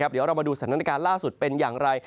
เดี๋ยวเรามาดูสถานการณ์ล่าสุดเป็นอย่างไร